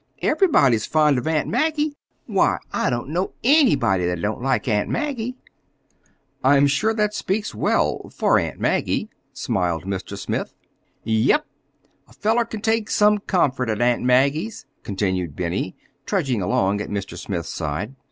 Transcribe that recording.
Everybody's fond of Aunt Maggie. Why, I don't know anybody that don't like Aunt Maggie." "I'm sure that speaks well—for Aunt Maggie," smiled Mr. Smith. "Yep! A feller can take some comfort at Aunt Maggie's," continued Benny, trudging along at Mr. Smith's side.